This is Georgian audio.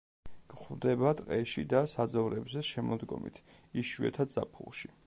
გვხვდება ტყეში და საძოვრებზე შემოდგომით, იშვიათად ზაფხულში.